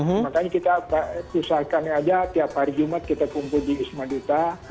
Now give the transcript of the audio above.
makanya kita usahakan aja tiap hari jumat kita kumpul di wisma duta